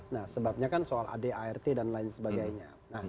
nah sebabnya kan soal ad art dan lain sebagainya